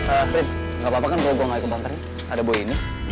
eh frid gak apa apa kan gue mau naik ke banternya ada boy ini